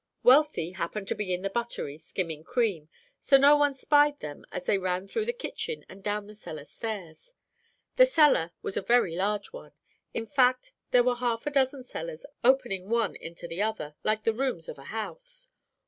Wealthy happened to be in the buttery, skimming cream, so no one spied them as they ran through the kitchen and down the cellar stairs. The cellar was a very large one. In fact, there were half a dozen cellars opening one into the other, like the rooms of a house.